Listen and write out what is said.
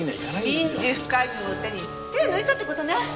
民事不介入を盾に手を抜いたって事ね。